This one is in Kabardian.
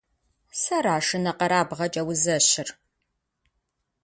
Сэра шынэкъэрабгъэкӀэ узэщыр?!